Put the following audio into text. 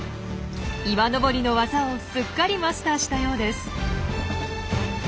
岩登りの技をすっかりマスターしたようです。